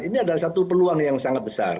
ini adalah satu peluang yang sangat besar